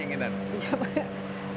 semua punya keinginan